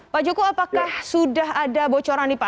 pak joko apakah sudah ada bocoran nih pak